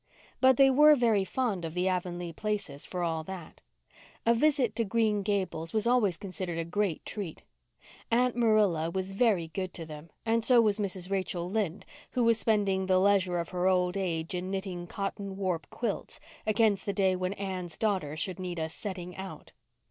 But they were very fond of the Avonlea places for all that. A visit to Green Gables was always considered a great treat. Aunt Marilla was very good to them, and so was Mrs. Rachel Lynde, who was spending the leisure of her old age in knitting cotton warp quilts against the day when Anne's daughters should need a "setting out."